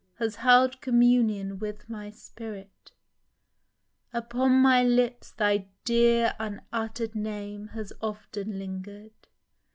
Has held communion with my spirit ! Upon my lips thy dear unutter'd name Has often linger'd.